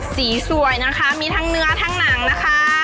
สวยนะคะมีทั้งเนื้อทั้งหนังนะคะ